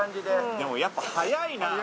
でもやっぱ速いな。